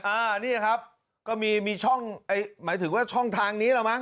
อ่านี่ครับก็มีมีช่องหมายถึงว่าช่องทางนี้แล้วมั้